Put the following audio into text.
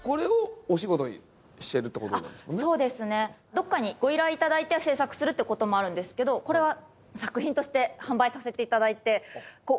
どこかにご依頼いただいて制作するという事もあるんですけどこれは作品として販売させていただいて。